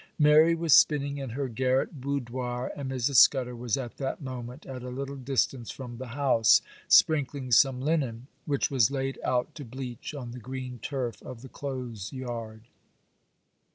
Mary was spinning in her garret boudoir, and Mrs. Scudder was at that moment at a little distance from the house, sprinkling some linen, which was laid out to bleach on the green turf of the clothes yard.